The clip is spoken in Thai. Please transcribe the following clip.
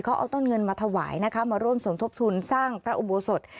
เขาเอาต้นเงินมาถวายนะคะมาร่วมสมทบทุนสร้างพระอุโบสถ